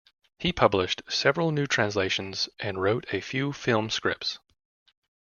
He published several new translations and wrote a few film scripts.